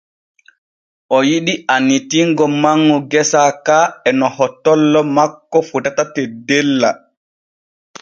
O yiɗi annitingo manŋu gesa ka e no hottollo makko fotata teddella.